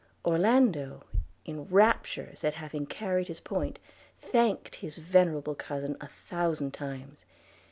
Orlando, in raptures at having carried his point, thanked his venerable cousin a thousand times.